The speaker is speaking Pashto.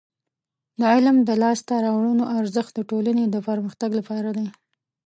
د علم د لاسته راوړنو ارزښت د ټولنې د پرمختګ لپاره دی.